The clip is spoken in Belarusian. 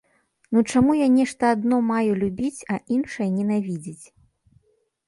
Ну чаму я нешта адно маю любіць, а іншае ненавідзець?